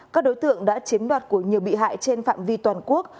các đối tượng đã chiếm đoạt của nhiều bị hại trên phạm vi toàn quốc